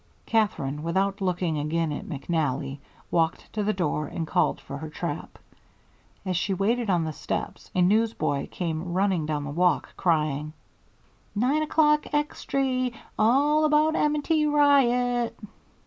Katherine, without looking again at McNally, walked to the door and called for her trap. As she waited on the steps, a newsboy came running down the walk, crying: "Nine o'clock Extry! All 'bout M. & T. riot!"